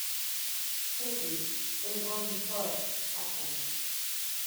Poeppig was born in Plauen, Saxony.